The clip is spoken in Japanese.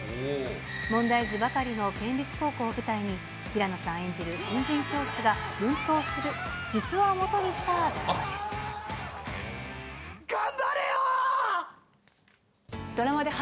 問題児ばかりの県立高校を舞台に、平野さん演じる新人教師が奮闘する実話をもとにしたドラマです。